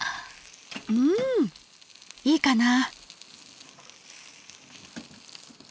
うんいいかな。